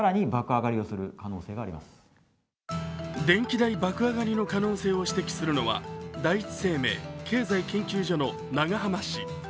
電気代爆上がりの可能性を指摘するのは第一生命経済研究所の永濱氏。